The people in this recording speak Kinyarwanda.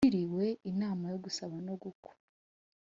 Yagiriwe inama yo gusaba no gukwa